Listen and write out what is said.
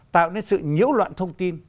tạo nên sự nhiễu loạn thông tin